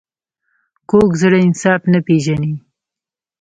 کوږ زړه انصاف نه پېژني